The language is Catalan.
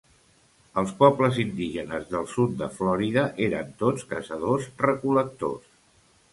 Els pobles indígenes del sud de Florida eren tots caçadors-recol·lectors.